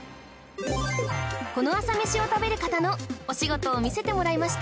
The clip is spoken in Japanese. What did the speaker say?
この朝メシを食べる方のお仕事を見せてもらいました